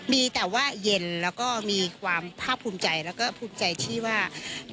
มีแต่ว่าเย็นแล้วก็มีความภาคภูมิใจแล้วก็ภูมิใจที่ว่า